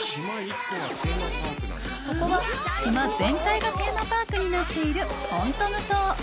ここは、島全体がテーマパークになっているホントム島。